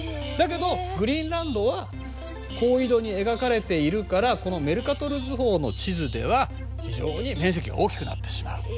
だけどグリーンランドは高緯度に描かれているからこのメルカトル図法の地図では非常に面積が大きくなってしまう。